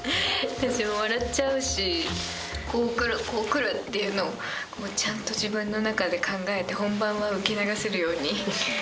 私も笑っちゃうしこう来るこう来るっていうのをちゃんと自分の中で考えて本番は受け流せるように。